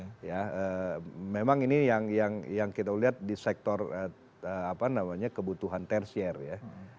sepatu ya memang ini yang kita lihat di sektor apa namanya kebutuhan tertiar ya